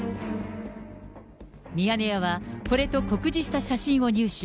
ミヤネ屋はこれと酷似した写真を入手。